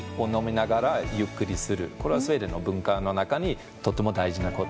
これはスウェーデンの文化の中にとても大事なこと。